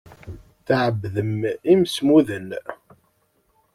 Tɛebdem imsemmuden.